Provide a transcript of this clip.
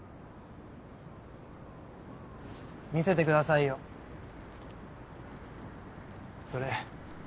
見せてくださいよそれ。